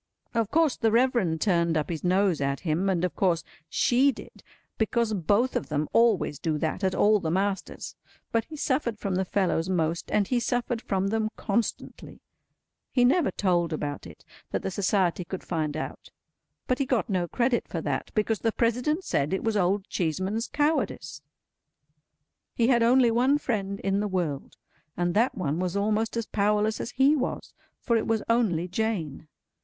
Of course the Reverend turned up his nose at him, and of course she did—because both of them always do that at all the masters—but he suffered from the fellows most, and he suffered from them constantly. He never told about it, that the Society could find out; but he got no credit for that, because the President said it was Old Cheeseman's cowardice. He had only one friend in the world, and that one was almost as powerless as he was, for it was only Jane.